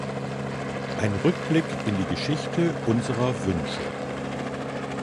Ein Rückblick in die Geschichte unserer Wünsche.